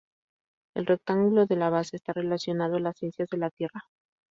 El rectángulo de la base, está relacionado a las ciencias de la tierra.